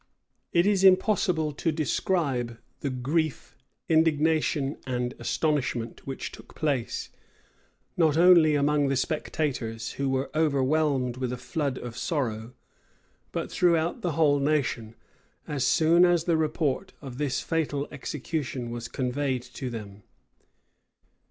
It is impossible to describe the grief, indignation, and astonishment which took place, not only among the spectators, who were overwhelmed with a flood of sorrow, but throughout the whole nation, as soon as the report of this fatal execution was conveyed to them.